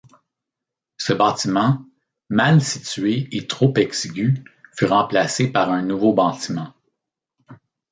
Ce bâtiment, mal situé et trop exigu fut remplacé par un nouveau bâtiment.